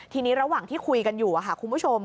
ทีนี้ระหว่างที่คุยกันอยู่คุณผู้ชม